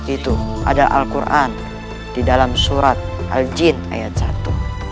itu ada al quran di dalam surat al jin ayat satu